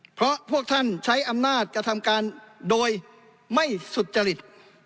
เพราะพวกท่านใช้อำนาจกระทำการโดยไม่สุจริต